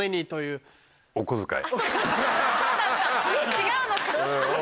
違うのか。